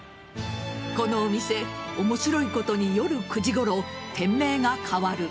このお店、面白いことに夜９時ごろ、店名が変わる。